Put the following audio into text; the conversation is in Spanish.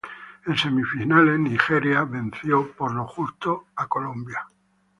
En semifinales Nigeria venció con lo justo a Colombia.